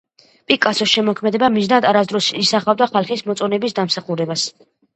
პიკასოს შემოქმედება მიზნად არასოდეს ისახავდა ხალხის მოწონების დამსახურებას.